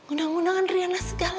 undang undangan adriana segala